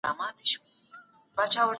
تاسو باید له خپلو همکارانو سره مشوره وکړئ.